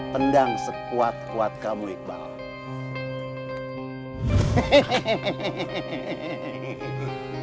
tendang sekuat kuat kamu iqbal